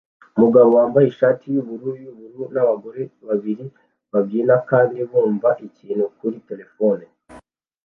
Umugabo wambaye ishati yubururu yubururu nabagore babiri babyina kandi bumva ikintu kuri terefone